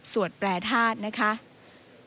สวดแปรทาสนะครับ